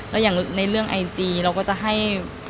แล้วอย่างในเรื่องไอจีเราก็จะให้